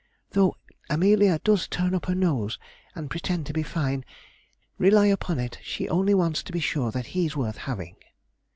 'Though Amelia does turn up her nose and pretend to be fine, rely upon it she only wants to be sure that he's worth having.'